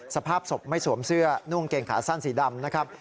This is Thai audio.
สภาพศพไม่สวมเสื้อนุ่งเกงขาสั้นสีดำนะครับ